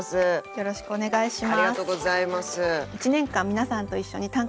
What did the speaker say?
よろしくお願いします。